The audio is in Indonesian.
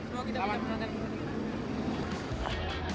nanti pertanyaan selanjutnya